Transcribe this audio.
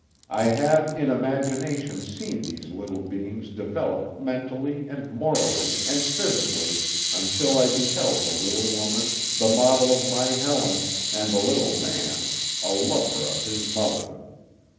I have in imagination seen these little beings develop mentally, and morally, and physically, until I beheld the little woman, the model of my Helen, and the little man, a lover of his mother.